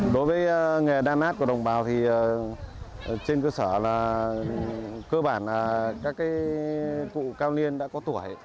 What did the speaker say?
đối với nghề đan lát của đồng bào thì trên cơ sở là cơ bản là các cụ cao niên đã có tuổi